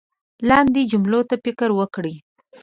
لاندې جملو ته فکر وکړئ